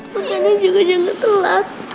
makan aja gak jalan telat